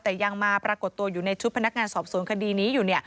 แต่ยังมาปรากฏตัวอยู่ในชุดพนักงานสอบสวนคดีนี้อยู่